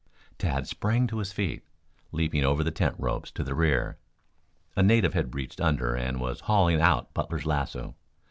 Tad sprang to his feet, leaping over the tent ropes to the rear. A native had reached under and was hauling out Butler's lasso.